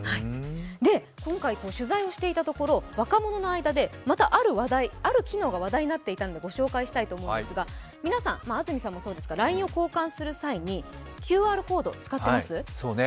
今回取材をしていたところ、若者の間でまたある機能が話題になっていたのでご紹介したいと思うんですが皆さん、安住さんもそうですが、ＬＩＮＥを交換する際にＱＲコード使ってます？